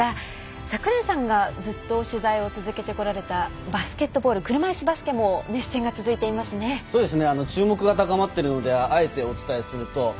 櫻井さんがずっと取材を続けてこられたバスケットボール車いすバスケも熱戦が続いていますね。